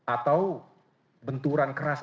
atau benturan keras